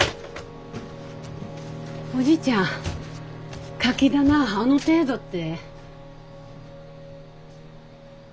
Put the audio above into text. おじいちゃんカキ棚あの程度って。